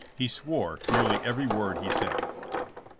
He swore nearly every word he said.